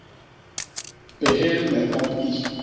Péhél me omb i.